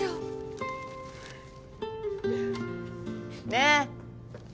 ねえ！